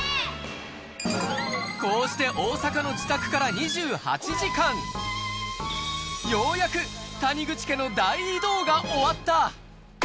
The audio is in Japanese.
こうして大阪の自宅から２８時間、ようやく谷口家の大移動が終わった。